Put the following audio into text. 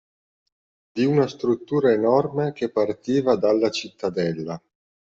Di una struttura enorme che partiva dalla cittadella.